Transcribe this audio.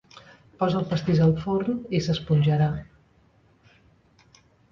Posa el pastís al forn i s'esponjarà.